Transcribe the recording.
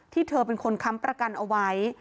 เธอเป็นคนค้ำประกันเอาไว้